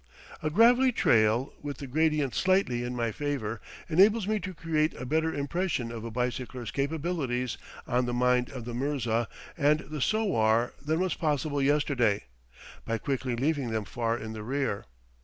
A gravelly trail, with the gradient slightly in my favor, enables me to create a better impression of a bicycler's capabilities on the mind of the mirza and the sowar than was possible yesterday, by quickly leaving them far in the rear.